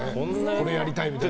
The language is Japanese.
これやりたいみたいな。